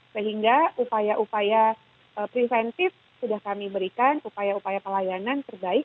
sehingga upaya upaya preventif sudah kami berikan upaya upaya pelayanan terbaik